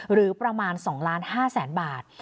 หรือประมาณ๒๕๐๐๐๐บาท